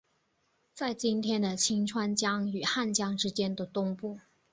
在今天的清川江与汉江之间的东部。